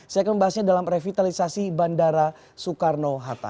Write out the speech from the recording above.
saya akan membahasnya dalam revitalisasi bandara soekarno hatta